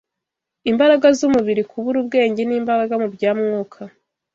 imbaraga z’umubiri kubura ubwenge, n’imbaraga mu bya mwuka